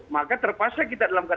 maka terpaksa kita dalam keadaan